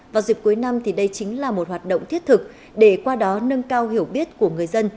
vào dịp cuối năm thì đây chính là một hoạt động thiết thực để qua đó nâng cao hiểu biết của người dân